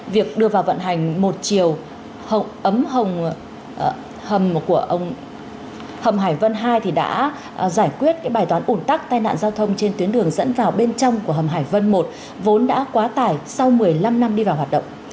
việc đưa vào vận hành một chiều ấm hồng hầm của ông hầm hải vân hai đã giải quyết cái bài toán ủn tắc tai nạn giao thông trên tuyến đường dẫn vào bên trong của hầm hải vân một vốn đã quá tải sau một mươi năm năm đi vào hoạt động